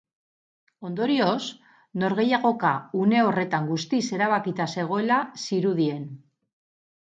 Ondorioz, norgehiagoka une horretan guztiz erabakita zegoela zirudien.